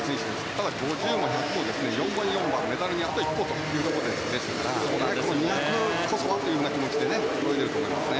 ただ、５０も１００ｍも４番、４番でメダルにあと一歩で下から２００ｍこそという気持ちで泳いでいると思います。